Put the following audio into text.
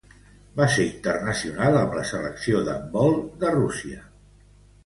Va ser internacional amb la selecció d'handbol de Rússia.